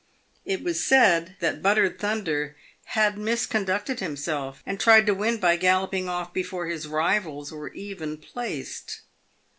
It was said that Buttered Thunder had misconducted himself and tried to win by galloping off before his rivals were even placed.